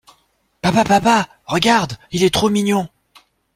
Papa, Papa... Regarde... Il est trop mignon!